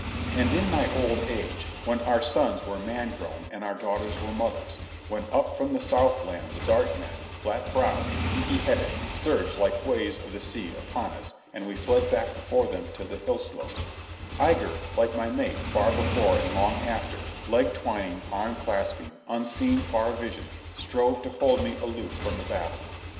And in my old age, when our sons were man grown and our daughters were mothers, when up from the southland the dark men, flat browed, kinky headed, surged like waves of the sea upon us and we fled back before them to the hill slopes, Igar, like my mates far before and long after, leg twining, arm clasping, unseeing far visions, strove to hold me aloof from the battle.